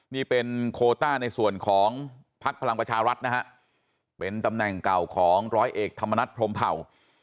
นี่เป็นโคต้าในส่วนของภักดิ์พลังประชารัฐนะฮะเป็นตำแหน่งเก่าของร้อยเอกธรรมนัฐพรมเผ่า